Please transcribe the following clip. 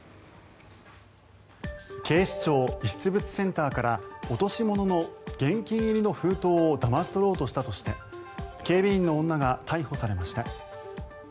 警視庁遺失物センターから落とし物の現金入りの封筒をだまし取ろうとしたとして警備員の女が逮捕されました。